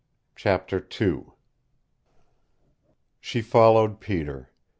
CHAPTER II She followed Peter.